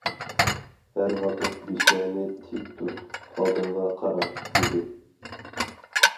ھەر ۋاقىت بېشىڭنى تىك تۇت، ئالدىڭغا قارا: دېدى.